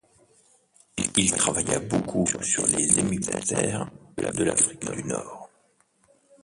Il travailla beaucoup sur les hémiptères de l'Afrique du Nord.